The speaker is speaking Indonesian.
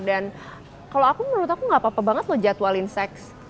dan kalau aku menurut aku gak apa apa banget jadwalin seks